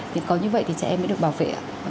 thì có như vậy thì trẻ em mới được bảo vệ ạ